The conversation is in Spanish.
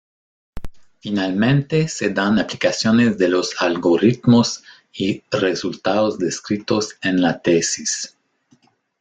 Finalmente se dan aplicaciones de los algoritmos y resultados descritos en la tesis.